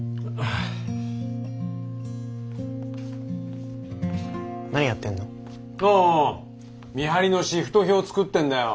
ああ見張りのシフト表作ってんだよ。